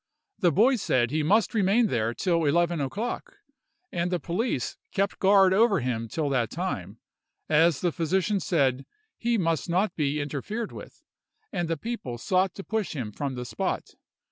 The boy said he must remain there till eleven o'clock; and the police kept guard over him till that time, as the physician said he must not be interfered with, and the people sought to push him from the spot.